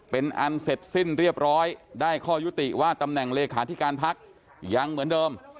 เป็นอันเสร็จสิ้นเรียบร้อยได้ข้อยุติว่าตำแหน่งเลขาธิการพักยังเหมือนเดิม